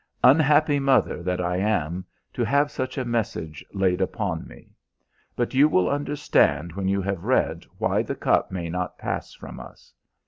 ] unhappy mother that I am, to have such a message laid upon me. But you will understand when you have read why the cup may not pass from us.